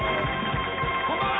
「こんばんは」